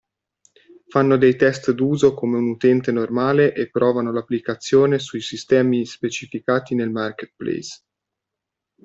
Fanno dei test d'uso come un utente normale e provano l'applicazione sui sistemi specificati nel marketplace.